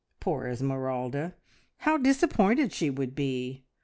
Poor Esmeralda! how disappointed she would be!